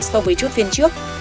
so với chốt phiên trước